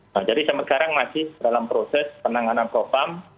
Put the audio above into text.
nah jadi sampai sekarang masih dalam proses penanganan propam